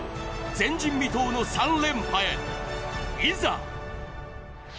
前人未到の３連覇へ、いざ。